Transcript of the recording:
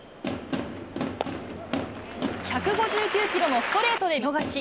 １５９キロのストレートで見逃し。